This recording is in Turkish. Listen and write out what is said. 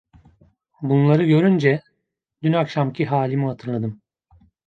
Bunları görünce dün akşamki halimi hatırladım.